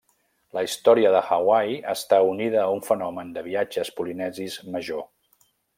La Història de Hawaii està unida a un fenomen de viatges polinesis major.